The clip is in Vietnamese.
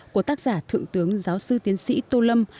của tác giả thượng tướng giáo sư tiến sĩ tô lâm